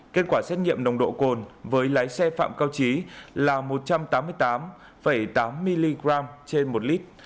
kết quả xét nghiệm nồng độ cồn với lái xe phạm cao trí là một trăm tám mươi tám tám mg trên một lít